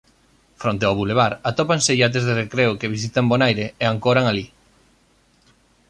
Fronte ao bulevar atópanse iates de recreo que visitan Bonaire á ancoran alí.